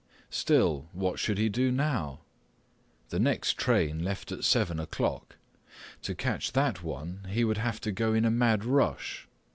Still, what should he do now? The next train left at seven o'clock. To catch that one, he would have to go in a mad rush.